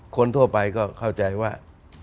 คนทั่วไปก็เข้าใจว่า